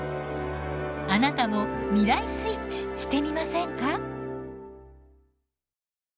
あなたも未来スイッチしてみませんか？